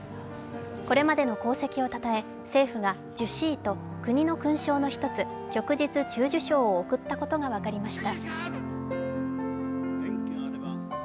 これまでの功績をたたえ政府が従四位と国の勲章の一つ、旭日中綬章を贈ったことが分かりました。